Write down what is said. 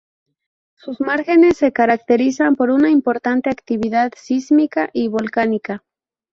Sus márgenes se caracterizan por una importante actividad sísmica y volcánica.